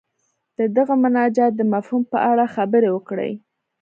د دغه مناجات د مفهوم په اړه خبرې وکړي.